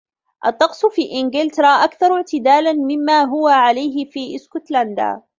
الطقس في انجلترا أكثر اعتدالاَ مما هو عليه في اسكوتلاندا.